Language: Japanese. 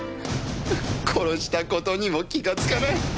殺した事にも気がつかない。